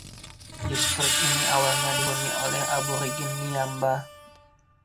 Distrik ini awalnya dihuni oleh Aborigin Ngiyambaa.